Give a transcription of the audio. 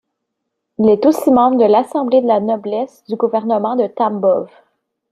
Il est aussi membre de l'Assemblée de la noblesse du gouvernement de Tambov.